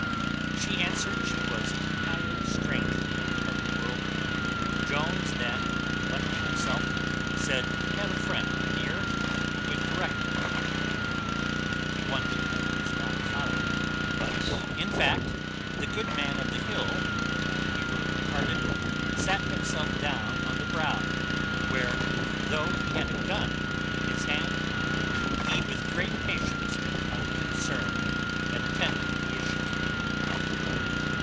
She answered she was an entire stranger in that part of the world. Jones then recollecting himself, said, he had a friend near who would direct them; indeed, he wondered at his not following; but, in fact, the good Man of the Hill, when our heroe departed, sat himself down on the brow, where, though he had a gun in his hand, he with great patience and unconcern had attended the issue.